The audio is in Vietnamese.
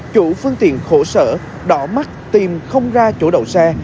chủ phương tiện khổ sở đỏ mắt tìm không ra chỗ đậu xe